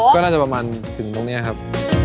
ก็น่าจะประมาณถึงตรงนี้ครับ